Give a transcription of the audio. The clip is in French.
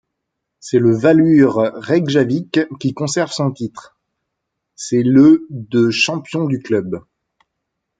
C'est le Valur Reykjavik qui conserve son titre, c'est le de champion du club.